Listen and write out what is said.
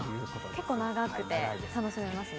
結構長くて、楽しめますね。